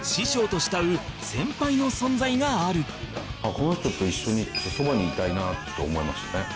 この人と一緒にそばにいたいなと思いましたね。